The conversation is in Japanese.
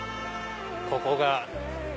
ここが。